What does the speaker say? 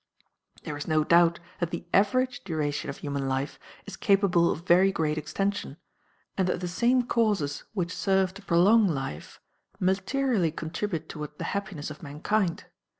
There is no doubt that the average duration of human life is capable of very great extension, and that the same causes which serve to prolong life materially contribute toward the happiness of mankind.